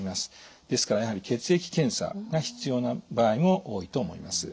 ですからやはり血液検査が必要な場合も多いと思います。